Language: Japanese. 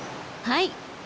はい！